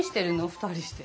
２人して。